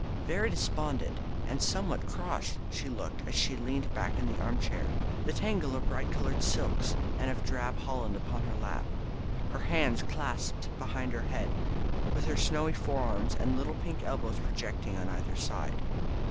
Very despondent and somewhat cross she looked as she leaned back in the armchair, the tangle of bright coloured silks and of drab holland upon her lap, her hands clasped behind her head, with her snowy forearms and little pink elbows projecting on either side.